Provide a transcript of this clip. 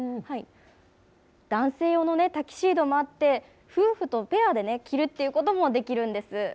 男性用のタキシードもあって、夫婦とペアできるということもできるんです。